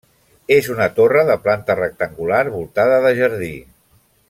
És una torre de planta rectangular voltada de jardí.